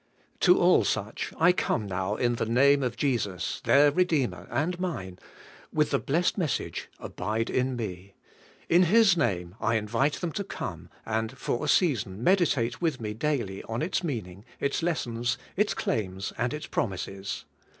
To all such I come now in the name of Jesus, their Redeemer and mine, with the blessed message: 'Abide in me.^ In His name I invite them to come, and for a season meditate with me daily on its mean ing, its lessons, its claims, and its promises.